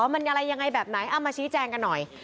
มันอะไรยังไงแบบไหนเอามาชี้แจงกันหน่อย